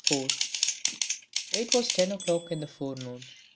IV It was ten o'clock in the forenoon.